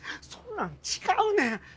そんなん違うねん。